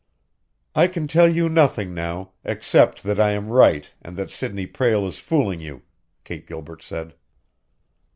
"I can tell you nothing now, except that I am right and that Sidney Prale is fooling you," Kate Gilbert said.